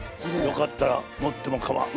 よかったら持ってもかまわん。